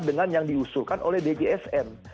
dengan yang diusulkan oleh dgsn